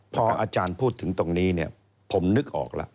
พออาจารย์พูดถึงตรงนี้เนี่ยผมนึกออกแล้ว